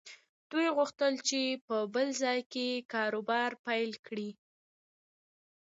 دوی غوښتل چې په بل ځای کې کاروبار پيل کړي.